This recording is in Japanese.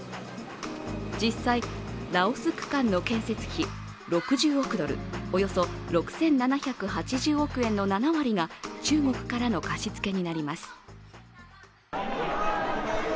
実際、ラオス区間の建設費６０億ドル、およそ６７８０億円の７割が中国からの貸し付けになります。